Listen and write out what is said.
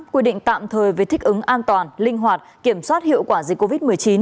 quy định tạm thời về thích ứng an toàn linh hoạt kiểm soát hiệu quả dịch covid một mươi chín